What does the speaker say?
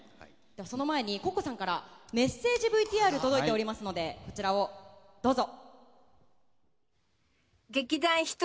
その前にＣｏｃｃｏさんからメッセージＶＴＲが届いておりますので、どうぞ！